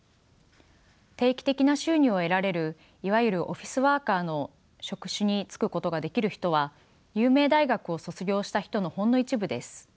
定期的な収入を得られるいわゆるオフィスワーカーの職種に就くことができる人は有名大学を卒業した人のほんの一部です。